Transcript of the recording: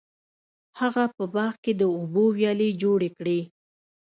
هغه په باغ کې د اوبو ویالې جوړې کړې.